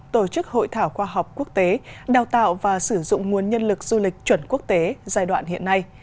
tổ chức hội thảo khoa học quốc tế đào tạo và sử dụng nguồn nhân lực du lịch chuẩn quốc tế giai đoạn hiện nay